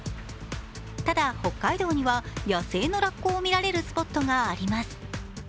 ただ北海道には野生のラッコを見られるスポットがあります。